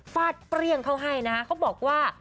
ฟาดเปรี้ยงเขาให้นะฮะเขาบอกว่า